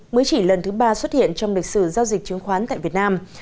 mới chỉ lần thứ ba xuất hiện trong lịch sử giao dịch chứng khoán tại việt nam